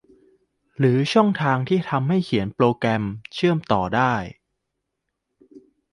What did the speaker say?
หรือช่องทางที่ทำให้เขียนโปรแกรมเชื่อมต่อได้